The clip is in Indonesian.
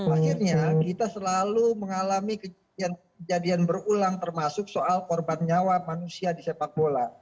akhirnya kita selalu mengalami kejadian berulang termasuk soal korban nyawa manusia di sepak bola